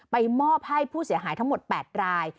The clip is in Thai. มอบให้ผู้เสียหายทั้งหมด๘ราย